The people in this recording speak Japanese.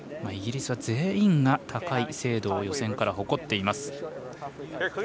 イギリスは全員は高い精度を予選から誇っています。